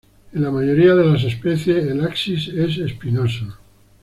En la mayoría de las especies, el axis es espinoso.